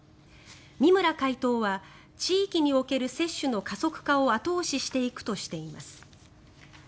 三村会頭は地域における接種の加速化を後押ししていくとしています。